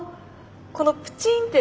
このプチンって。